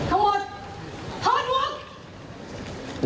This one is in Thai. ทั้งหมด